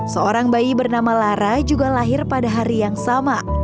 seorang bayi bernama lara juga lahir pada hari yang sama